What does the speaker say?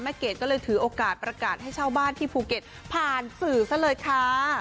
เกดก็เลยถือโอกาสประกาศให้เช่าบ้านที่ภูเก็ตผ่านสื่อซะเลยค่ะ